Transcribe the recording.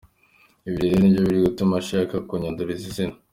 Ibi rero nibyo biri gutuma shaka kunyanduriza izina.